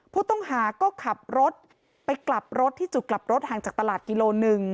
ผู้ต้องหาก็ขับรถไปกลับรถที่จุดกลับรถห่างจากตลาดกิโลหนึ่ง